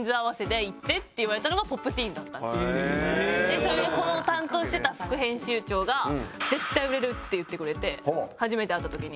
それでこの担当してた副編集長が「絶対売れる」って言ってくれて初めて会った時に。